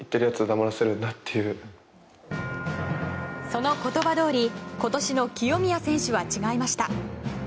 その言葉どおり今年の清宮選手は違いました。